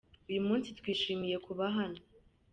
Uyu munsi twishimiye kuba hano.